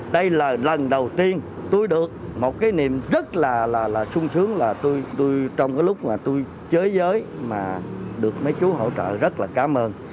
đây là lần đầu tiên tôi được một cái niềm rất là là là sung sướng là tôi tôi trong cái lúc mà tôi chơi giới mà được mấy chú hỗ trợ rất là cám ơn